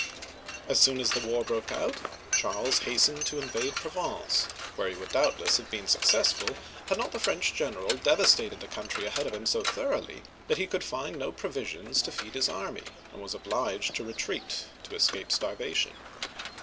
As soon as the war broke out, Charles hastened to in vade Provence, where he would doubtless have been suc cessful, had not the French general devastated the country ahead of him so thoroughly that he could find no provi sions to feed his army, and was obliged to retreat to es cape starvation.